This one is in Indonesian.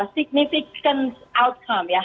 significant outcome ya hasilnya itu ya